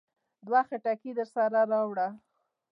دوه خټکي درسره راوړه.